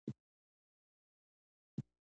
ویده ذهن د خوب نړۍ ته ځي